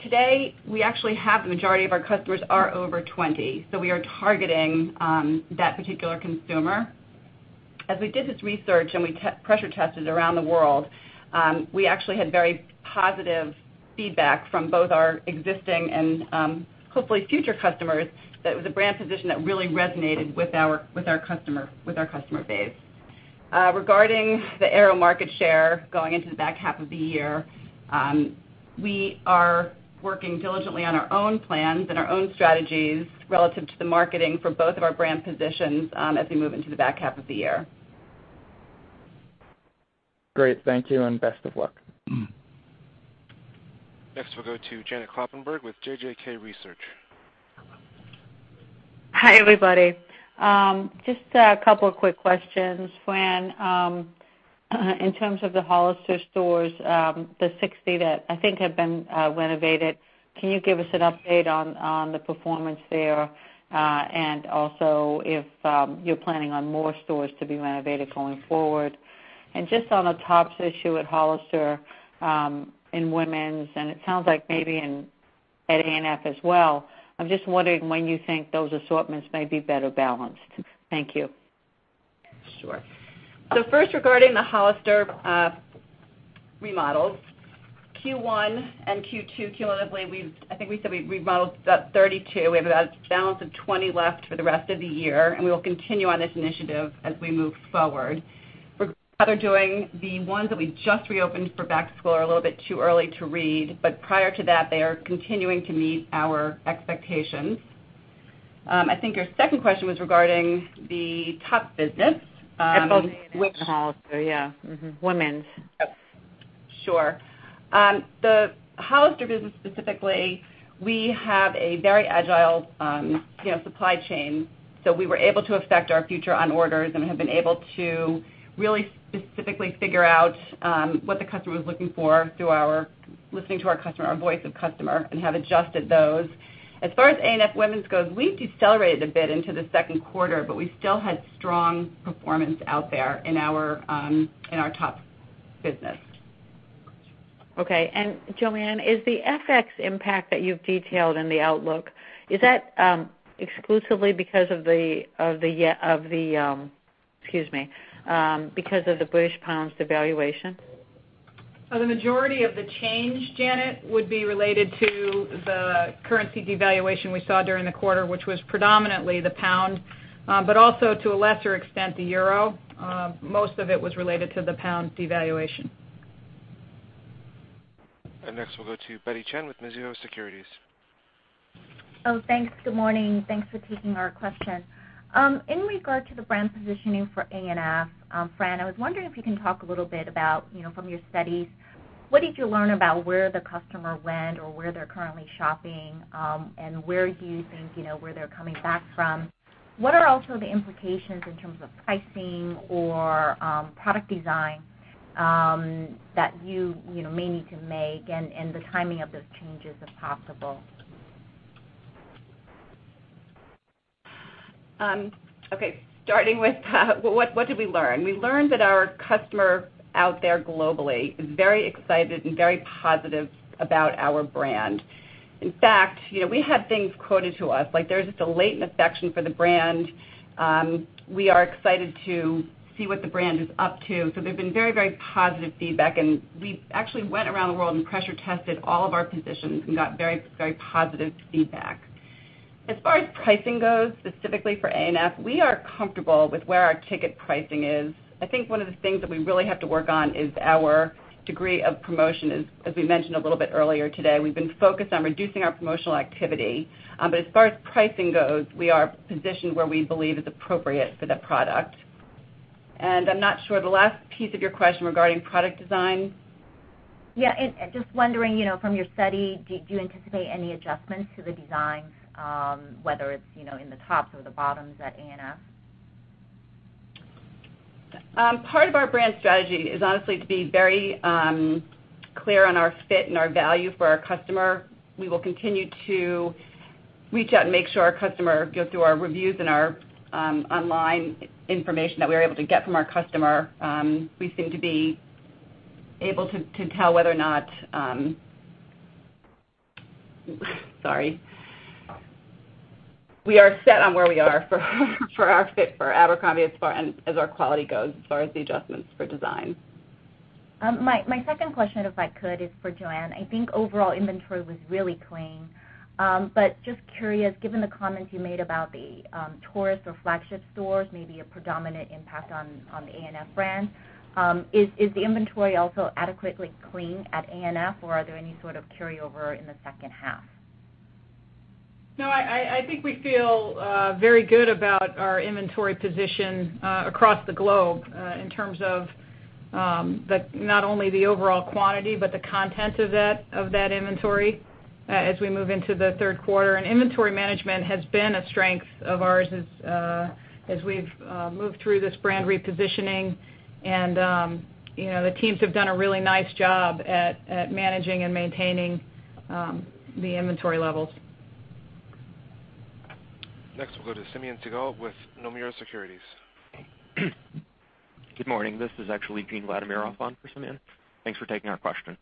D: Today, we actually have the majority of our customers are over 20, so we are targeting that particular consumer. As we did this research, and we pressure tested around the world, we actually had very positive feedback from both our existing and hopefully future customers that it was a brand position that really resonated with our customer base. Regarding the Aero market share going into the back half of the year, we are working diligently on our own plans and our own strategies relative to the marketing for both of our brand positions as we move into the back half of the year.
M: Great. Thank you, and best of luck.
A: Next, we'll go to Janet Kloppenburg with JJK Research.
N: Hi, everybody. Just a couple of quick questions. Fran, in terms of the Hollister stores, the 60 that I think have been renovated, can you give us an update on the performance there, and also if you're planning on more stores to be renovated going forward? Just on a tops issue at Hollister in women's, and it sounds like maybe at A&F as well, I'm just wondering when you think those assortments may be better balanced. Thank you.
D: Sure. First, regarding the Hollister remodels. Q1 and Q2 cumulatively, I think we said we remodeled about 32. We have about a balance of 20 left for the rest of the year, we will continue on this initiative as we move forward. We're doing the ones that we just reopened for back to school are a little bit too early to read, but prior to that, they are continuing to meet our expectations. I think your second question was regarding the top business.
N: I suppose women's at Hollister, yeah. Women's.
D: Sure. The Hollister business specifically, we have a very agile supply chain, we were able to affect our future on orders and have been able to really specifically figure out what the customer is looking for through listening to our customer, our voice of customer, and have adjusted those. As far as A&F women's goes, we've decelerated a bit into the second quarter, we still had strong performance out there in our top business.
N: Okay. Joanne, is the FX impact that you've detailed in the outlook, is that exclusively because of the British Pound's devaluation?
E: The majority of the change, Janet, would be related to the currency devaluation we saw during the quarter, which was predominantly the Pound, but also to a lesser extent, the Euro. Most of it was related to the Pound devaluation.
A: Next, we'll go to Betty Chen with Mizuho Securities.
O: Oh, thanks. Good morning. Thanks for taking our question. In regard to the brand positioning for A&F, Fran, I was wondering if you can talk a little bit about, from your studies, what did you learn about where the customer went or where they're currently shopping, and where do you think they're coming back from? What are also the implications in terms of pricing or product design that you may need to make and the timing of those changes, if possible?
D: Okay. Starting with what did we learn. We learned that our customer out there globally is very excited and very positive about our brand. In fact, we had things quoted to us. There's just a latent affection for the brand. We are excited to see what the brand is up to. There've been very, very positive feedback, and we actually went around the world and pressure tested all of our positions and got very, very positive feedback. As far as pricing goes, specifically for A&F, we are comfortable with where our ticket pricing is. I think one of the things that we really have to work on is our degree of promotion, as we mentioned a little bit earlier today. We've been focused on reducing our promotional activity. As far as pricing goes, we are positioned where we believe is appropriate for the product. I'm not sure. The last piece of your question regarding product design.
O: Yeah. Just wondering, from your study, do you anticipate any adjustments to the designs, whether it's in the tops or the bottoms at A&F?
D: Part of our brand strategy is honestly to be very clear on our fit and our value for our customer. We will continue to reach out and make sure our customer go through our reviews and our online information that we are able to get from our customer. We seem to be able to tell whether or not Sorry. We are set on where we are for our fit for Abercrombie as far as our quality goes, as far as the adjustments for design.
O: My second question, if I could, is for Joanne. I think overall inventory was really clean. Just curious, given the comments you made about the tourist or flagship stores, maybe a predominant impact on the ANF brand, is the inventory also adequately clean at ANF, or are there any sort of carryover in the second half?
E: No. I think we feel very good about our inventory position across the globe, in terms of not only the overall quantity but the content of that inventory as we move into the third quarter. Inventory management has been a strength of ours as we've moved through this brand repositioning. The teams have done a really nice job at managing and maintaining the inventory levels.
A: Next, we'll go to Simeon Siegel with Nomura Securities.
P: Good morning. This is actually Gene Vladimir off on for Simeon. Thanks for taking our question.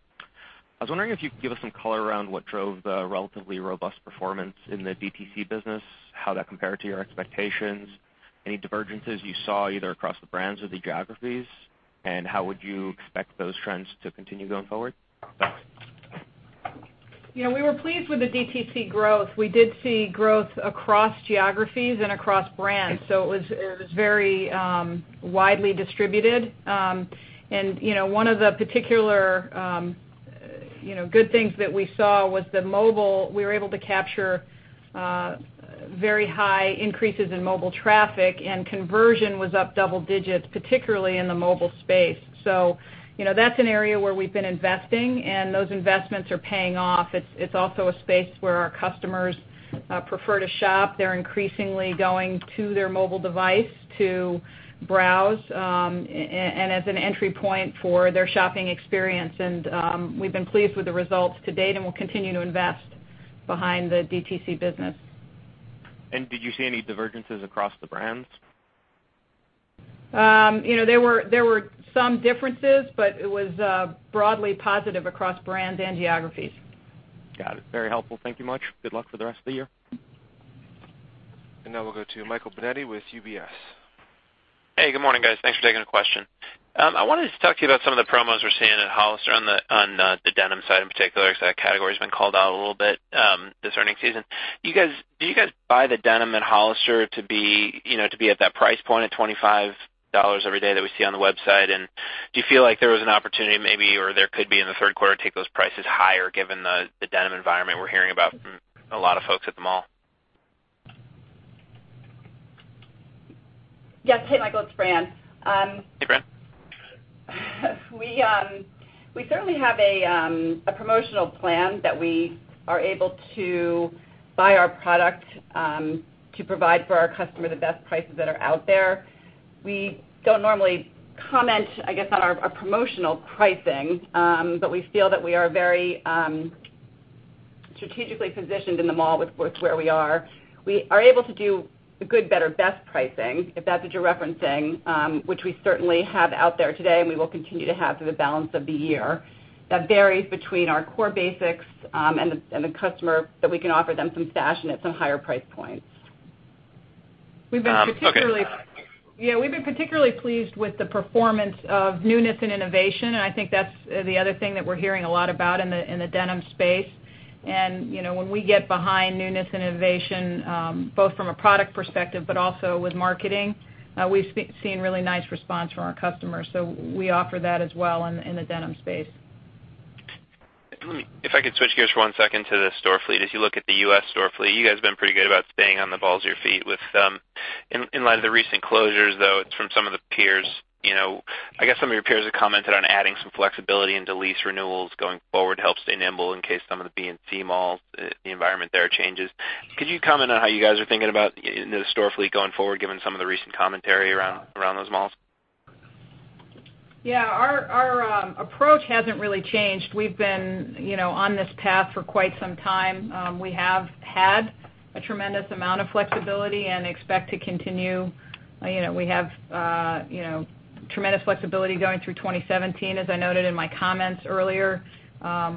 P: I was wondering if you could give us some color around what drove the relatively robust performance in the DTC business, how that compared to your expectations, any divergences you saw either across the brands or the geographies, and how would you expect those trends to continue going forward? Thanks.
E: We were pleased with the DTC growth. We did see growth across geographies and across brands, so it was very widely distributed. One of the particular good things that we saw was the mobile. We were able to capture very high increases in mobile traffic, and conversion was up double digits, particularly in the mobile space. That's an area where we've been investing, and those investments are paying off. It's also a space where our customers prefer to shop. They're increasingly going to their mobile device to browse, and as an entry point for their shopping experience. We've been pleased with the results to date, and we'll continue to invest behind the DTC business.
P: Did you see any divergences across the brands?
E: There were some differences, it was broadly positive across brands and geographies.
P: Got it. Very helpful. Thank you much. Good luck for the rest of the year.
A: now we'll go to Michael Binetti with UBS.
Q: Hey, good morning, guys. Thanks for taking the question. I wanted to talk to you about some of the promos we're seeing at Hollister on the denim side in particular, because that category's been called out a little bit this earning season. Do you guys buy the denim at Hollister to be at that price point at $25 every day that we see on the website? Do you feel like there was an opportunity maybe, or there could be in the third quarter, to take those prices higher given the denim environment we're hearing about from a lot of folks at the mall?
D: Yes. Hey, Michael, it's Fran.
Q: Hey, Fran.
D: We certainly have a promotional plan that we are able to buy our product to provide for our customer the best prices that are out there. We don't normally comment, I guess, on our promotional pricing. We feel that we are very strategically positioned in the mall with where we are. We are able to do the good, better, best pricing, if that's what you're referencing, which we certainly have out there today, and we will continue to have through the balance of the year. That varies between our core basics and the customer, that we can offer them some fashion at some higher price points.
Q: Okay.
E: We've been particularly pleased with the performance of newness and innovation, I think that's the other thing that we're hearing a lot about in the denim space. When we get behind newness and innovation, both from a product perspective but also with marketing, we've seen a really nice response from our customers. We offer that as well in the denim space.
Q: If I could switch gears for one second to the store fleet. As you look at the U.S. store fleet, you guys have been pretty good about staying on the balls of your feet In light of the recent closures, though, from some of the peers. I guess some of your peers have commented on adding some flexibility into lease renewals going forward to help stay nimble in case some of the B and C malls, the environment there changes. Could you comment on how you guys are thinking about the store fleet going forward, given some of the recent commentary around those malls?
E: Our approach hasn't really changed. We've been on this path for quite some time. We have had a tremendous amount of flexibility and expect to continue. We have tremendous flexibility going through 2017, as I noted in my comments earlier.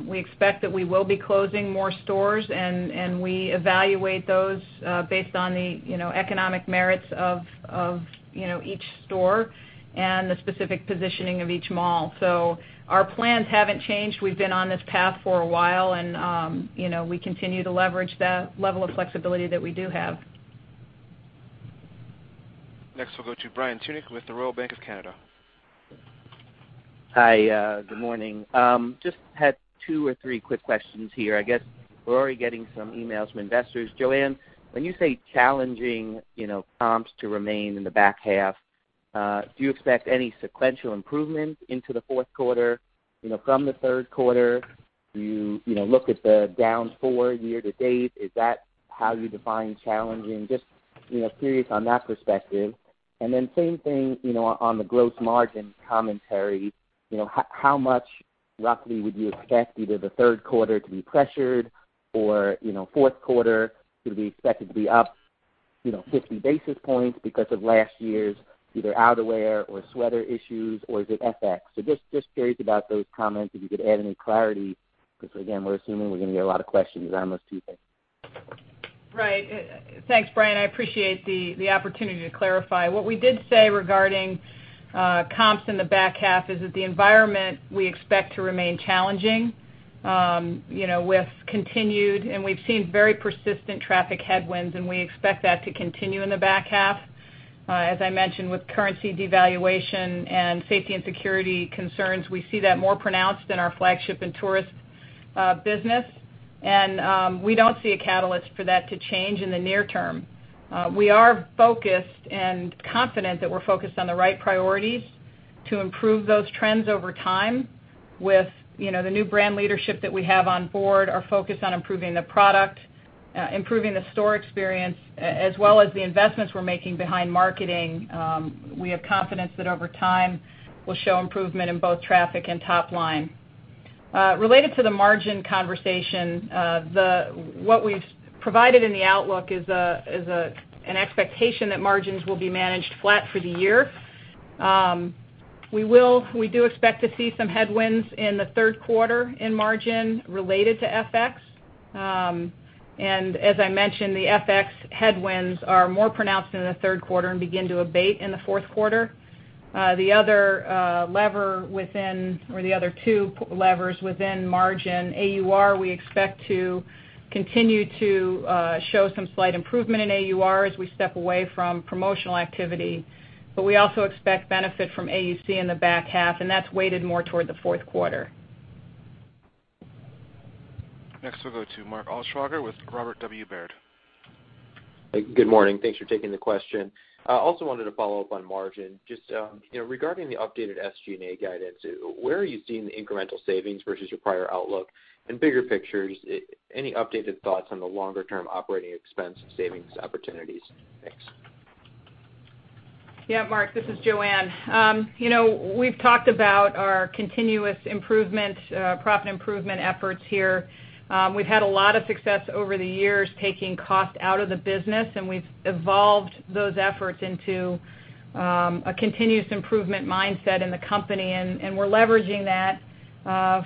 E: We expect that we will be closing more stores. We evaluate those based on the economic merits of each store and the specific positioning of each mall. Our plans haven't changed. We've been on this path for a while, and we continue to leverage that level of flexibility that we do have.
A: We'll go to Brian Tunick with the Royal Bank of Canada.
R: Hi. Good morning. Had two or three quick questions here. I guess we're already getting some emails from investors. Joanne, when you say challenging comps to remain in the back half, do you expect any sequential improvement into the fourth quarter from the third quarter? Do you look at the down four year to date? Is that how you define challenging? Curious on that perspective. Same thing, on the gross margin commentary, how much roughly would you expect either the third quarter to be pressured or fourth quarter to be expected to be up 50 basis points because of last year's either outerwear or sweater issues or is it FX? Curious about those comments, if you could add any clarity, because again, we're assuming we're going to get a lot of questions on those two things.
E: Right. Thanks, Brian. I appreciate the opportunity to clarify. What we did say regarding comps in the back half is that the environment we expect to remain challenging. With continued, and we've seen very persistent traffic headwinds, and we expect that to continue in the back half. As I mentioned with currency devaluation and safety and security concerns, we see that more pronounced in our flagship and tourist business, and we don't see a catalyst for that to change in the near term. We are focused and confident that we're focused on the right priorities to improve those trends over time with the new brand leadership that we have on board, our focus on improving the product, improving the store experience, as well as the investments we're making behind marketing. We have confidence that over time, we'll show improvement in both traffic and top line. What we've provided in the outlook is an expectation that margins will be managed flat for the year. We do expect to see some headwinds in the third quarter in margin related to FX. As I mentioned, the FX headwinds are more pronounced in the third quarter and begin to abate in the fourth quarter. The other lever within, or the other two levers within margin, AUR, we expect to continue to show some slight improvement in AUR as we step away from promotional activity. We also expect benefit from AUC in the back half, and that's weighted more toward the fourth quarter.
A: Next, we'll go to Mark Altschwager with Robert W. Baird.
S: Good morning. Thanks for taking the question. I also wanted to follow up on margin. Just regarding the updated SG&A guidance, where are you seeing the incremental savings versus your prior outlook, and bigger pictures, any updated thoughts on the longer-term operating expense savings opportunities? Thanks.
E: Yeah, Mark, this is Joanne. We've talked about our continuous profit improvement efforts here. We've had a lot of success over the years taking cost out of the business. We've evolved those efforts into a continuous improvement mindset in the company, and we're leveraging that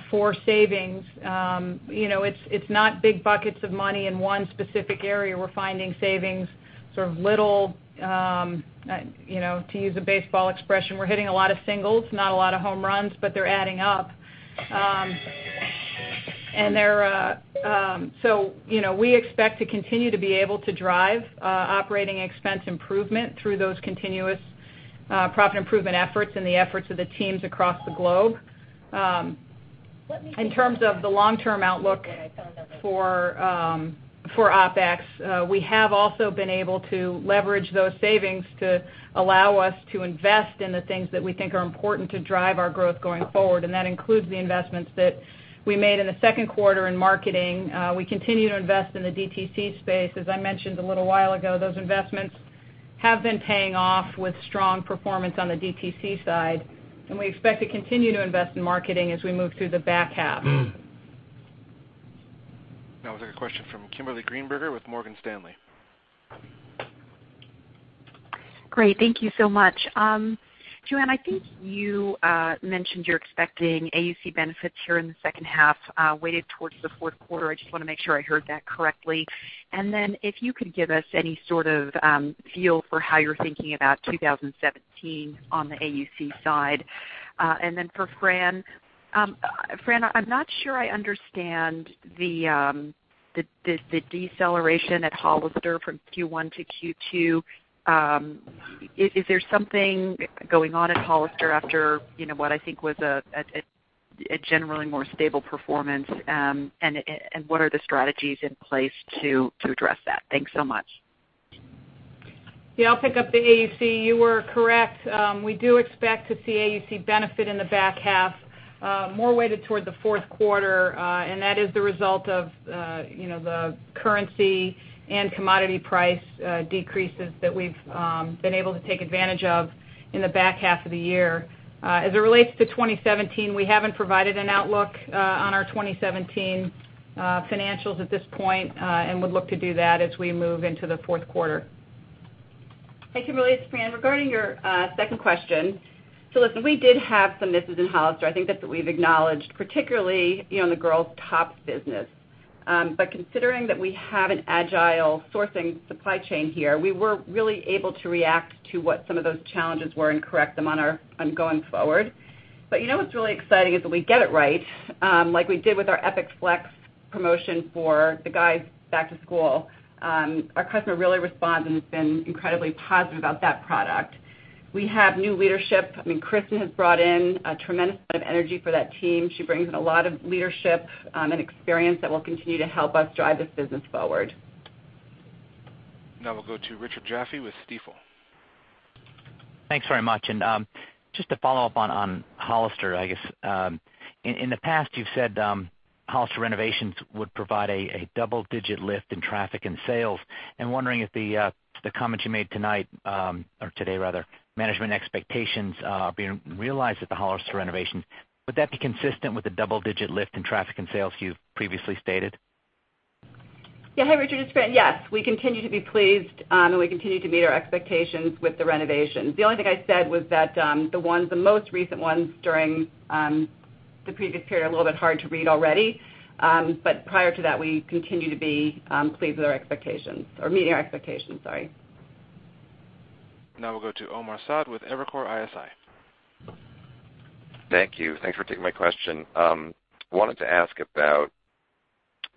E: for savings. It's not big buckets of money in one specific area. We're finding savings, sort of little, to use a baseball expression, we're hitting a lot of singles, not a lot of home runs, but they're adding up. We expect to continue to be able to drive operating expense improvement through those continuous profit improvement efforts and the efforts of the teams across the globe. In terms of the long-term outlook for OpEx, we have also been able to leverage those savings to allow us to invest in the things that we think are important to drive our growth going forward, and that includes the investments that we made in the second quarter in marketing. We continue to invest in the DTC space. As I mentioned a little while ago, those investments have been paying off with strong performance on the DTC side, and we expect to continue to invest in marketing as we move through the back half.
A: We'll take a question from Kimberly Greenberger with Morgan Stanley.
T: Great. Thank you so much. Joanne, I think you mentioned you're expecting AUC benefits here in the second half, weighted towards the fourth quarter. I just want to make sure I heard that correctly. If you could give us any sort of feel for how you're thinking about 2017 on the AUC side. For Fran. Fran, I'm not sure I understand the deceleration at Hollister from Q1 to Q2. Is there something going on at Hollister after what I think was a generally more stable performance, and what are the strategies in place to address that? Thanks so much.
E: I'll pick up the AUC. You were correct. We do expect to see AUC benefit in the back half, more weighted toward the fourth quarter. That is the result of the currency and commodity price decreases that we've been able to take advantage of in the back half of the year. As it relates to 2017, we haven't provided an outlook on our 2017 financials at this point, would look to do that as we move into the fourth quarter.
D: Hey, Kimberly, it's Fran. Regarding your second question. Listen, we did have some misses in Hollister. I think that's what we've acknowledged, particularly in the girls top business. Considering that we have an agile sourcing supply chain here, we were really able to react to what some of those challenges were and correct them on going forward. You know what's really exciting is that we get it right, like we did with our Epic Flex promotion for the guys back to school. Our customer really responds, and it's been incredibly positive about that product. We have new leadership. I mean, Kristin has brought in a tremendous amount of energy for that team. She brings in a lot of leadership and experience that will continue to help us drive this business forward.
A: Now we'll go to Richard Jaffe with Stifel.
U: Thanks very much. Just to follow up on Hollister, I guess. In the past, you've said Hollister renovations would provide a double-digit lift in traffic and sales. I'm wondering if the comments you made tonight, or today rather, management expectations being realized at the Hollister renovations, would that be consistent with the double-digit lift in traffic and sales you've previously stated?
D: Yeah. Hi, Richard, it's Fran. Yes, we continue to be pleased, we continue to meet our expectations with the renovations. The only thing I said was that the most recent ones during the previous period are a little bit hard to read already. Prior to that, we continue to be pleased with our expectations or meeting our expectations. Sorry.
A: Now we'll go to Omar Saad with Evercore ISI. Thank you. Thanks for taking my question. Wanted to ask about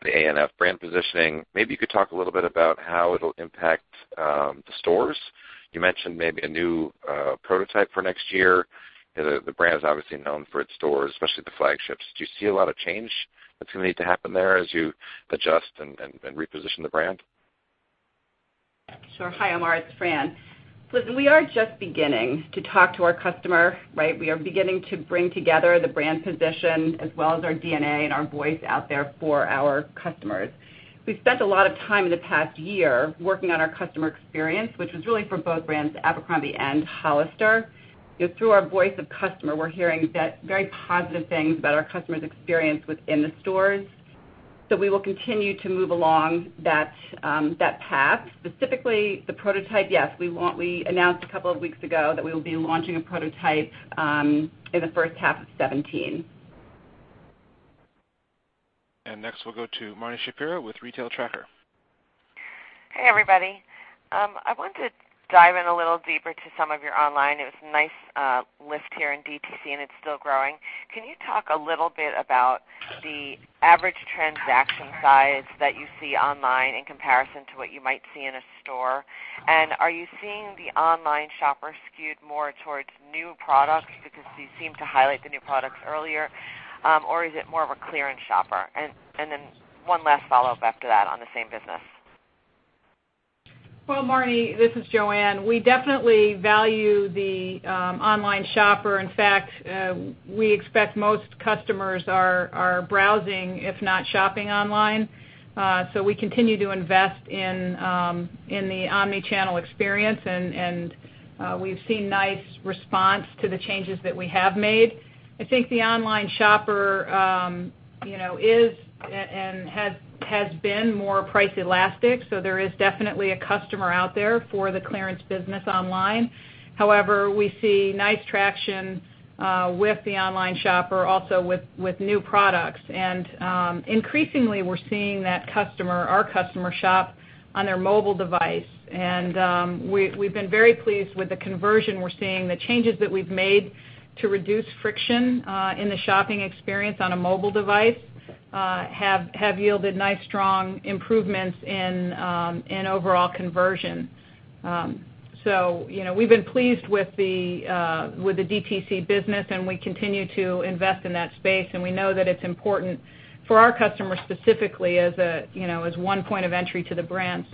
A: the ANF brand positioning. Maybe you could talk a little bit about how it'll impact the stores. You mentioned maybe a new prototype for next year. The brand is obviously known for its stores, especially the flagships. Do you see a lot of change that's going to need to happen there as you adjust and reposition the brand?
D: Sure. Hi, Omar, it's Fran. Listen, we are just beginning to talk to our customer, right? We are beginning to bring together the brand position as well as our DNA and our voice out there for our customers. We've spent a lot of time in the past year working on our customer experience, which was really for both brands, Abercrombie and Hollister. Through our voice of customer, we're hearing very positive things about our customers' experience within the stores. We will continue to move along that path. Specifically, the prototype, yes. We announced a couple of weeks ago that we will be launching a prototype in the first half of 2017.
A: Next, we'll go to Marni Shapiro with The Retail Tracker.
V: Hey, everybody. I want to dive in a little deeper to some of your online. It was nice lift here in DTC, and it's still growing. Can you talk a little bit about the average transaction size that you see online in comparison to what you might see in a store? Are you seeing the online shopper skewed more towards new products because you seem to highlight the new products earlier, or is it more of a clearance shopper? One last follow-up after that on the same business.
E: Well, Marni, this is Joanne. We definitely value the online shopper. In fact, we expect most customers are browsing, if not shopping online. We continue to invest in the omni-channel experience, and we've seen nice response to the changes that we have made. I think the online shopper is and has been more price elastic, so there is definitely a customer out there for the clearance business online. However, we see nice traction with the online shopper also with new products. Increasingly we're seeing that customer, our customer shop on their mobile device, and we've been very pleased with the conversion we're seeing. The changes that we've made to reduce friction in the shopping experience on a mobile device have yielded nice, strong improvements in overall conversion. We've been pleased with the DTC business, and we continue to invest in that space, and we know that it's important for our customers specifically as one point of entry to the brands.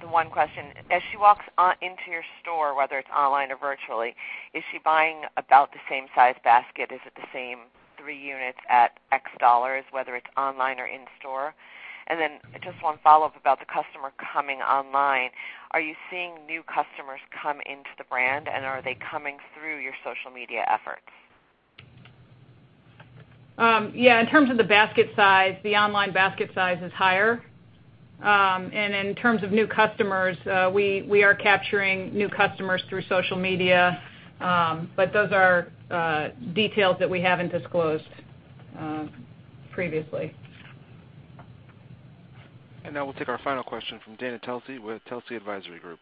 V: The one question, as she walks into your store, whether it's online or virtually, is she buying about the same size basket? Is it the same three units at X dollars, whether it's online or in store? Just one follow-up about the customer coming online. Are you seeing new customers come into the brand, and are they coming through your social media efforts?
E: Yeah. In terms of the basket size, the online basket size is higher. In terms of new customers, we are capturing new customers through social media, but those are details that we haven't disclosed previously.
A: Now we'll take our final question from Dana Telsey with Telsey Advisory Group.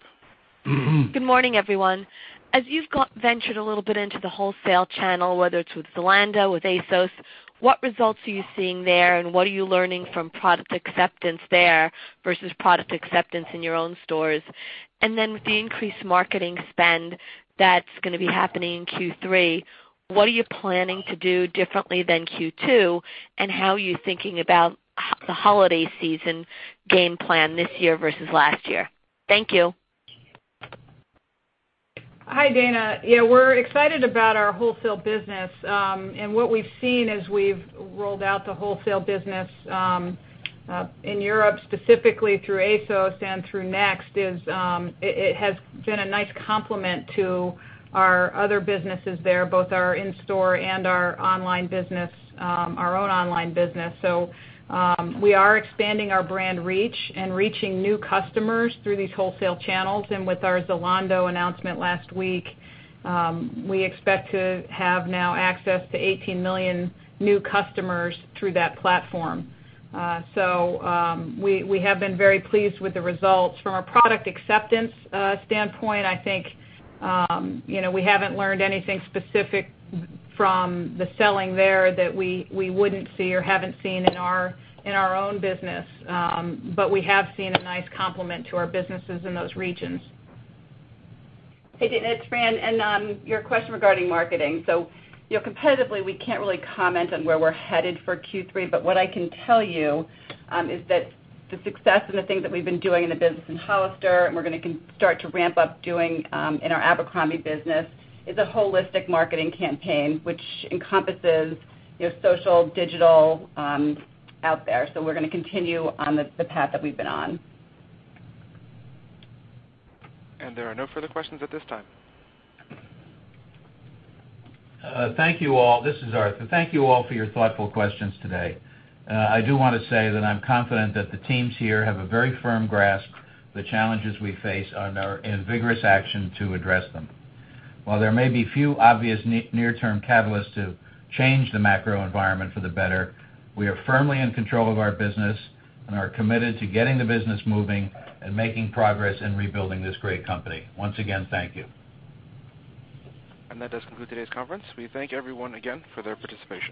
W: Good morning, everyone. As you've ventured a little bit into the wholesale channel, whether it's with Zalando, with ASOS, what results are you seeing there, and what are you learning from product acceptance there versus product acceptance in your own stores? With the increased marketing spend that's going to be happening in Q3, what are you planning to do differently than Q2, and how are you thinking about the holiday season game plan this year versus last year? Thank you.
E: Hi, Dana. Yeah, we're excited about our wholesale business. What we've seen as we've rolled out the wholesale business, in Europe specifically through ASOS and through Next, is it has been a nice complement to our other businesses there, both our in-store and our own online business. We are expanding our brand reach and reaching new customers through these wholesale channels. With our Zalando announcement last week, we expect to have now access to 18 million new customers through that platform. We have been very pleased with the results. From a product acceptance standpoint, I think we haven't learned anything specific from the selling there that we wouldn't see or haven't seen in our own business. We have seen a nice complement to our businesses in those regions.
D: Hey, Dana, it's Fran, and your question regarding marketing. Competitively, we can't really comment on where we're headed for Q3, but what I can tell you is that the success and the things that we've been doing in the business in Hollister, and we're going to start to ramp up doing in our Abercrombie business, is a holistic marketing campaign which encompasses social, digital, out there. We're going to continue on the path that we've been on.
C: There are no further questions at this time. Thank you all. This is Arthur. Thank you all for your thoughtful questions today. I do want to say that I'm confident that the teams here have a very firm grasp of the challenges we face and are in vigorous action to address them. While there may be few obvious near-term catalysts to change the macro environment for the better, we are firmly in control of our business and are committed to getting the business moving and making progress in rebuilding this great company. Once again, thank you. That does conclude today's conference. We thank everyone again for their participation.